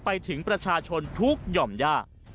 ไปถึงประชาชนทุกหย่อมย่า